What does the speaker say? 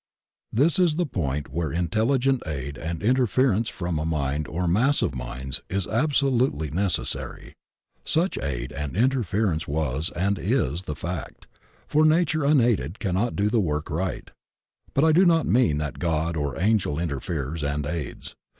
This is the point where intelligent aid and interfer ence from a mind or mass of minds is absolutely nec essary. Such aid and interference was and is tfie fact, for Nature unaided cannot do the work rig^t. But I do not mean that God or angel interferes and aids.